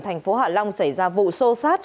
thành phố hạ long xảy ra vụ sô sát